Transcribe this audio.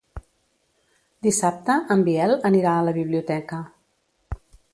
Dissabte en Biel anirà a la biblioteca.